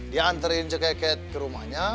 dia anterin si keket kerumanya